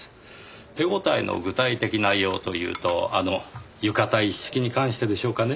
手応えの具体的内容というとあの浴衣一式に関してでしょうかね？